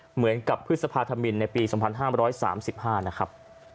เหมือนกับพฤษภาธมินในปี๒๕๓๕นะครับ